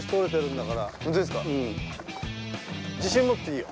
自信持っていいよ。